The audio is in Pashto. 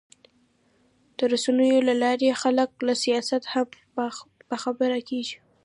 د رسنیو له لارې خلک له سیاست هم باخبره کېږي.